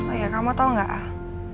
oh ya kamu tau gak ah